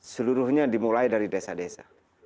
seluruhnya dimulai dari desa desa